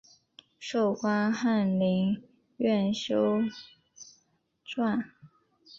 授官翰林院修撰。